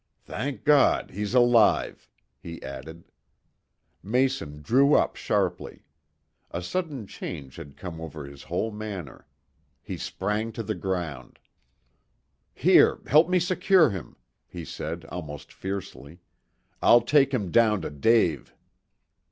"Thank God! he's alive," he added. Mason drew up sharply. A sudden change had come over his whole manner. He sprang to the ground. "Here, help me secure him," he said almost fiercely. "I'll take him down to Dave."